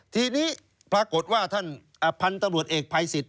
ทีนี้พรากฏว่าท่านพันธุรกิจเอกภัยสิทธิ์